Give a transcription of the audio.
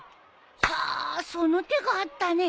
ハァその手があったね。